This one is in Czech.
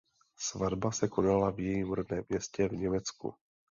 Svatba se konala v jejím rodném městě v Německu.